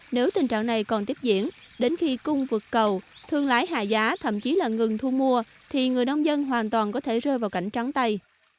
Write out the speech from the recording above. nếu tình trạng này còn tiếp diễn đến khi cung vượt cầu thương lái hạ giá thậm chí là ngừng thu mua thì người nông dân hoàn toàn có thể rơi vào cảnh trắng tay